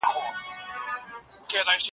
آیا د ثمر ګل زوی لوی شوی دی؟